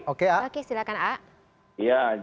oke silahkan aad